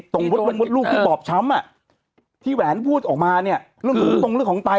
มดลงมดลูกที่บอบช้ำอ่ะที่แหวนพูดออกมาเนี่ยเรื่องของตรงเรื่องของไต